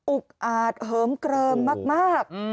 อุกอ่าดเหิมเกลิมมาก